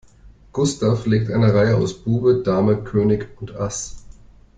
Gustav legt eine Reihe aus Bube, Dame König und Ass.